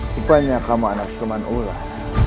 rupanya kamu anak cuman ulas